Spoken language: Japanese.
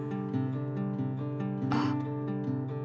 あっ。